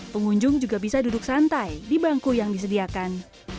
pengunjung juga bisa duduk santai di bangku yang disediakan